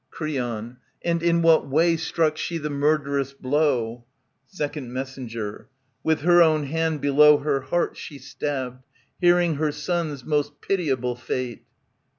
Creon. And in what way struck she the murderous blow ? Sec, Mess. With her own hand below her heart she stabbed. Hearing her son's most pitiable fate.